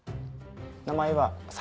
名前は。